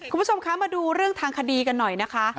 คุณผู้ชมคะมาดูเรื่องทางคดีกันหน่อยนะคะ